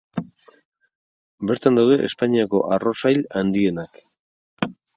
Bertan daude Espainiako arroz-sail handienak.